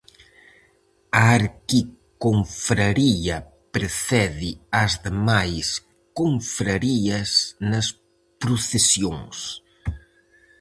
A arquiconfraría precede ás demais confrarías nas procesións.